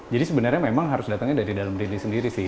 jadi sebenarnya memang harus datangnya dari dalam diri sendiri sih